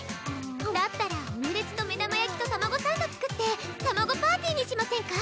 だったらオムレツと目玉焼きとたまごサンド作って卵パーティーにしませんか？